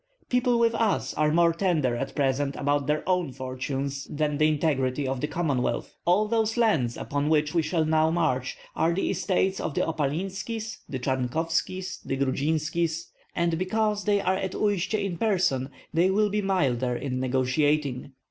People with us are more tender at present about their own fortunes than the integrity of the Commonwealth. All those lands upon which we shall now march are the estates of the Opalinskis, the Charnkovskis, the Grudzinskis; and because they are at Uistsie in person they will be milder in negotiating.